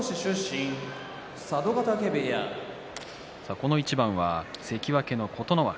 この一番は関脇の琴ノ若。